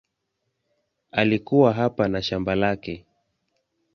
Alikuwa hapa na shamba lake.